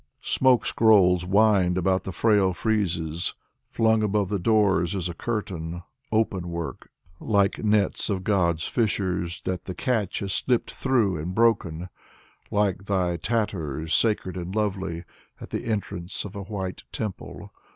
Smoke scrolls wind about the frail friezes; Flung above the doors is a curtain — Open work : like nets of God's fishers That the catch has slipped through and broken, Like thy tatters, sacred and lovely, At the entrance of a white temple.